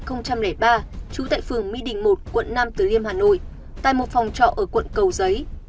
trú tại phường my đình một quận năm tứ liêm hà nội tại một phòng trọ ở quận cầu giấy